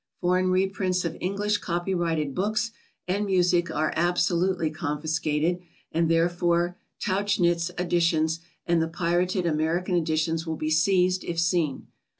Foreign reprints of English copyrighted books and music are absolutely confiscated, and therefore Tauchnitz editions and the pirated American editions will be seized if seen.